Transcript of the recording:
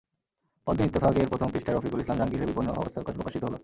পরদিন ইত্তেফাক-এর প্রথম পৃষ্ঠায় রফিকুল ইসলাম জাহাঙ্গীরের বিপন্ন অবস্থার কথা প্রকাশিত হলো।